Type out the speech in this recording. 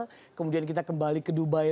dua meter kemudian kita kembali ke dubai